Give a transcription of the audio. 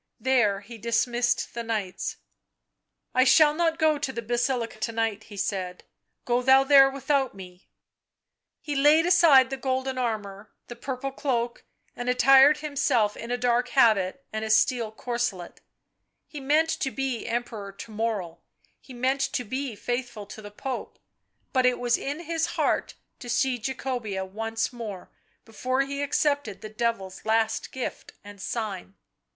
There he dismissed the knights. " I shall not go to the Basilica to night," he said, " go thou there without me." He laid aside the golden armour, the purple cloak, and attired himself in a dark habit and a steel corselet ; he meant to be Emperor to morrow, he meant to be faithful to the Pope, but it was in his heart to see Jacobea once more before he accepted the Devil's last gift and sign.